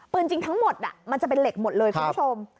จริงทั้งหมดมันจะเป็นเหล็กหมดเลยคุณผู้ชม